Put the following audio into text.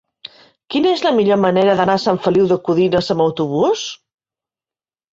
Quina és la millor manera d'anar a Sant Feliu de Codines amb autobús?